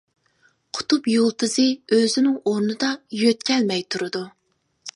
قۇتۇپ يۇلتۇزى ئۆزىنىڭ ئورنىدا يۆتكەلمەي تۇرىدۇ.